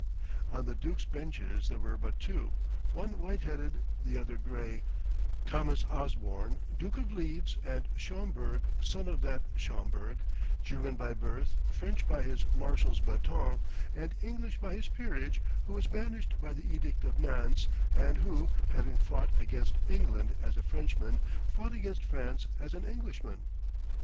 On the dukes' benches there were but two, one white headed, the other gray Thomas Osborne, Duke of Leeds, and Schomberg, son of that Schomberg, German by birth, French by his marshal's bâton, and English by his peerage, who was banished by the edict of Nantes, and who, having fought against England as a Frenchman, fought against France as an Englishman.